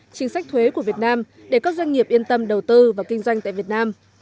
chính sách thuế của việt nam để các doanh nghiệp yên tâm đầu tư và kinh doanh tại việt nam